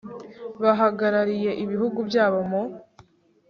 bahagarariye ibihugu byabo mu